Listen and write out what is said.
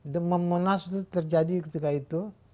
demam monas itu terjadi ketika itu